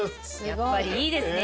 やっぱりいいですね